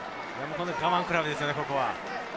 我慢比べですよね、ここは。